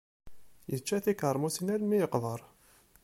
Yečča tikermusin armi yeqber.